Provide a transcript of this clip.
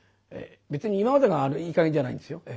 別に今までがいい加減じゃないんですよ。